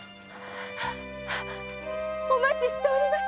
お待ちしております